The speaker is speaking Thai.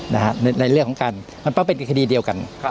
ในเรื่องของการมันต้องเป็นคดีเดียวกัน